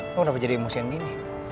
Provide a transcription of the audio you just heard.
lo kenapa jadi emosian gini